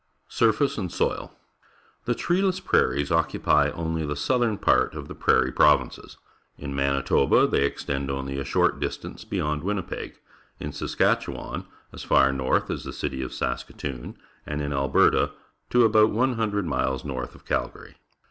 Surface and Soil. — The treeless prairies occupy only the southern part of the Prairie Provinces. In Manitoba they extend only a short distance beyond Winnipeg; in Saskatchewan as far north as the city of Saskatoo7i; and in Alberta to about one hundred miles north of Calgary.